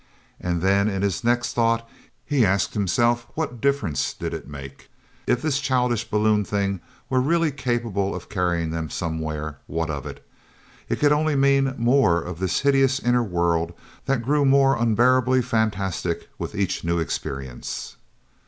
And then in his next thought he asked himself what difference did it make. If this childish balloon thing were really capable of carrying them somewhere, what of it? It could only mean more of this hideous inner world that grew more unbearably fantastic with each new experience.